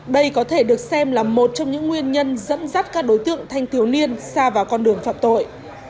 đây có thể được xem là một trong những nguyên nhân dẫn dắt các đối tượng thanh thiếu niên xa vào con đường phạm tội